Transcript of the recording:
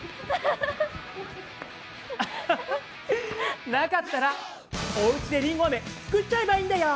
アハハッなかったらおうちでりんごアメつくっちゃえばいいんだよ！